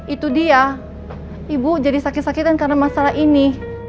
itu dia ibu jadi sakit sakitan karena masalah ini